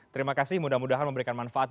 terima kasih mudah mudahan memberikan manfaat